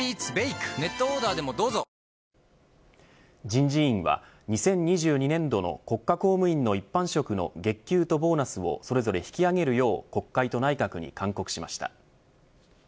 人事院は２０２２年度の国家公務員の一般職の月給とボーナスをそれぞれ引き上げるよう国会と内閣に勧告しました。